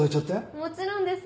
もちろんです。